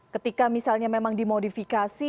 ketika memang dimodifikasi